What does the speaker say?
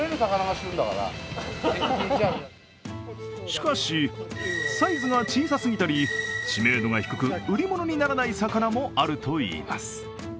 しかし、サイズが小さすぎたり知名度が低く売り物にならない魚もあるといいます。